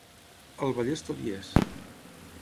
Al Vallès tot hi és.